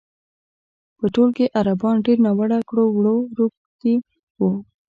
په ټول کې عربان ډېرو ناوړه کړو وړو روږ دي وو.